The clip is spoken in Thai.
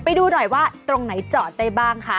ไปดูหน่อยว่าตรงไหนจอดได้บ้างคะ